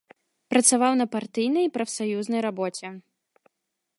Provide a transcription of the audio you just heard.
Працаваў на партыйнай і прафсаюзнай рабоце.